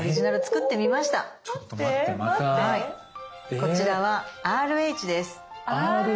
こちらは「Ｒ」「Ｈ」です。